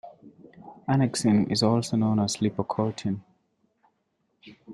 Annexin is also known as "lipocortin".